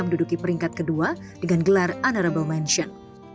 menduduki peringkat kedua dengan gelar unerable mention